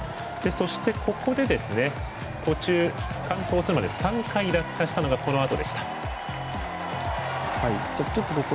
そして、ここで途中、完登するまで３回落下したのがこのあとでした。